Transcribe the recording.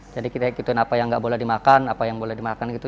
jadi kita ikutin apa yang nggak boleh dimakan apa yang boleh dimakan gitu